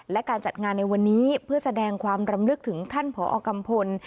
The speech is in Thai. และการจัดงานในวันนี้เพื่อแสดงความรำลึกถึงท่านผอกัมพล